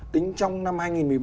tính trong năm hai nghìn một mươi bảy